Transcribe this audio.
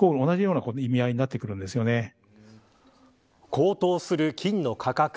高騰する金の価格。